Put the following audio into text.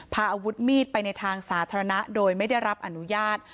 พาอาวุธมีดไปในทางสาธารณะโดยไม่ได้รับอนุญาต